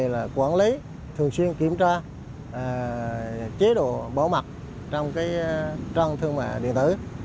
là quản lý thường xuyên kiểm tra chế độ bảo mặt trong trang thương mại điện tử